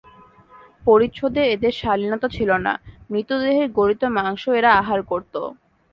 পরিচ্ছদে এদের শালীনতা ছিল না, মৃতদেহের গলিত মাংস এরা আহার করত।